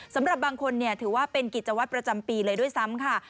สำหรับบางคนถือว่าเป็นกิจวัตรประจำปีเลยด้วยซ้ำค่ะ